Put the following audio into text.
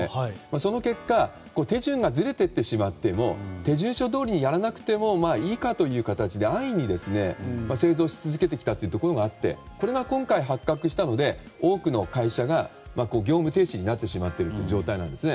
その結果、手順がずれても手順書どおりにやらなくてもいいかという形で安易に製造し続けてきたというところがあってこれが今回発覚したので多くの会社が業務停止になっている状態なんですね。